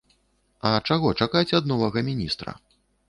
А чаго чакаць ад новага міністра?